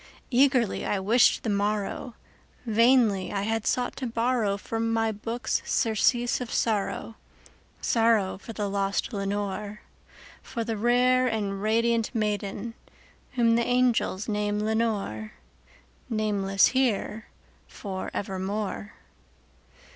Eagerly I wished the morrow;—vainly I had sought to borrowFrom my books surcease of sorrow—sorrow for the lost Lenore, For the rare and radiant maiden whom the angels name Lenore:Nameless here for evermore.